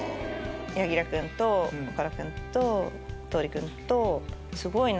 柳楽君と岡田君と桃李君と。